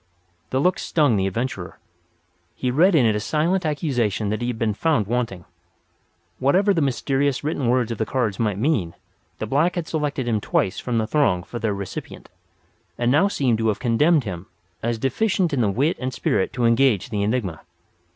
The look stung the adventurer. He read in it a silent accusation that he had been found wanting. Whatever the mysterious written words on the cards might mean, the black had selected him twice from the throng for their recipient; and now seemed to have condemned him as deficient in the wit and spirit to engage the enigma.